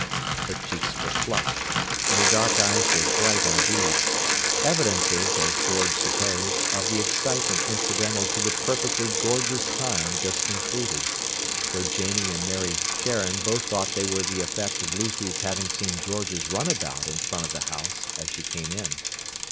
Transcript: Her cheeks were flushed, and her dark eyes were bright indeed; evidences, as George supposed, of the excitement incidental to the perfectly gorgeous time just concluded; though Janie and Mary Sharon both thought they were the effect of Lucy's having seen George's runabout in front of the house as she came in.